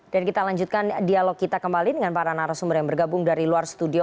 dan kita lanjutkan dialog kita kembali dengan para narasumber yang bergabung dari luar studio